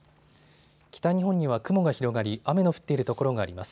北日本には雲が広がり雨の降っている所があります。